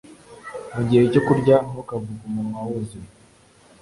Mugihe cyo kurya, ntukavuge umunwa wuzuye.